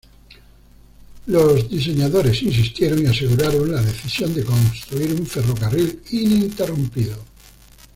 Los diseñadores insistieron y aseguraron la decisión de construir un ferrocarril ininterrumpido.